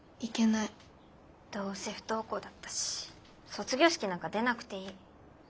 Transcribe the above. どうせ不登校だったし卒業式なんか出なくていい。